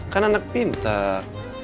kan anak pintar